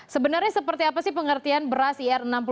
sebenarnya seperti apa sih pengertian beras ir enam puluh